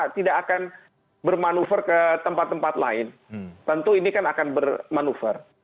tidak akan bermanuver ke tempat tempat lain tentu ini kan akan bermanuver